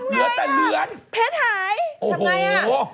เพชรหายทำไงอ่ะ